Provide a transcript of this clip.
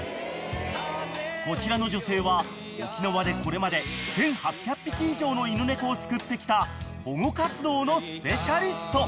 ［こちらの女性は沖縄でこれまで１，８００匹以上の犬猫を救ってきた保護活動のスペシャリスト］